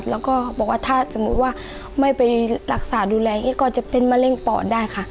แล้วก็บอกว่าถ้าสมมุติว่าไม่ไปรักษาดูแลก็จะเป็นมะเร็งปอดได้ค่ะ